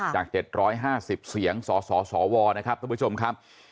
จาก๗๕๐เสียงสสวนะครับท่านผู้ชมครับ